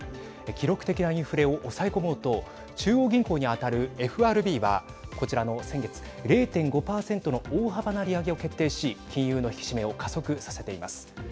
記録的なインフレを抑え込もうと中央銀行に当たる、ＦＲＢはこちらの先月０．５％の大幅な利上げを決定し金融の引き締めを加速させています。